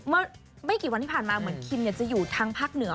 เมื่อไม่กี่วันที่ผ่านมาเหมือนคิมจะอยู่ทางภาคเหนือ